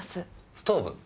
ストーブ？